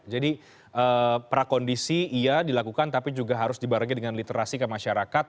jadi prakondisi iya dilakukan tapi juga harus dibarengi dengan literasi ke masyarakat